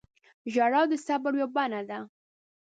• ژړا د صبر یوه بڼه ده.